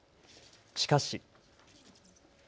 しかし。